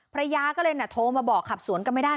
ภรรยาก็เลยโทรมาบอกขับสวนกันไม่ได้